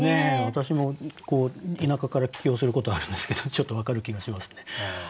私も田舎から帰京することあるんですけどちょっと分かる気がしますね。